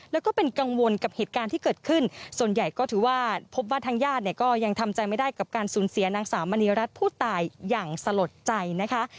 แล้วก็เป็นกังวลกับเหตุการณ์ที่เกิดขึ้นส่วนใหญ่ก็ถือว่าพบว่าทางญาติเนี่ยก็ยังทำใจไม่ได้กับการสูญเสียนางสาวมณีรัฐผู้ตายอย่างสลดใจนะคะ